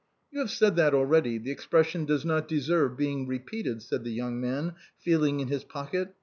"You have said that already; the expression does not deserve being repeated," said the young man, feeling in his pocket.